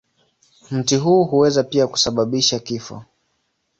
Mti huu huweza pia kusababisha kifo.